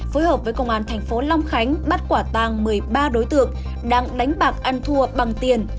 phối hợp với công an thành phố long khánh bắt quả tàng một mươi ba đối tượng đang đánh bạc ăn thua bằng tiền